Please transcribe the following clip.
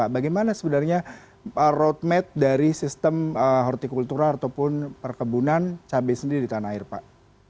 bagaimana sebenarnya roadmap dari sistem hortikultura ataupun perkebunan cabai sendiri di tanah air pak